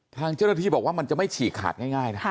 ทางเจ้าหน้าที่บอกว่ามันจะไม่ฉีกขาดง่ายนะ